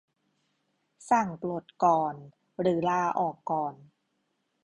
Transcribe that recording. สั่งปลดก่อนหรือลาออกก่อน